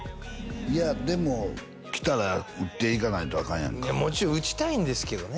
いやでも来たら打っていかないとアカンやんかいやもちろん打ちたいんですけどね